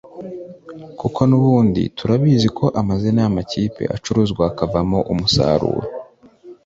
Kuko n’ubundi turabizi ko amazina y’amakipe acuruzwa hakavamo umusaruro